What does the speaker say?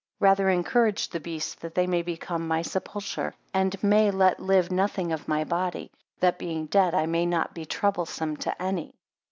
Rather encourage the beasts, that they may became my sepulchre, and may let live nothing of my body; that being dead I may not be troublesome to any.